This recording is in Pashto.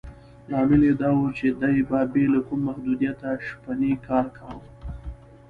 لامل یې دا و چې دې به بې له کوم محدودیته شپنی کار کاوه.